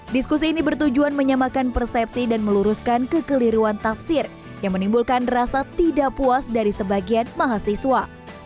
diskusi ini bertujuan menyamakan persepsi dan meluruskan kekeliruan tafsir yang menimbulkan rasa tidak puas dari sebagian mahasiswa